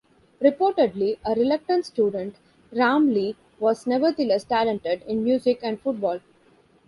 Reportedly a reluctant student, Ramlee was nevertheless talented in music and football.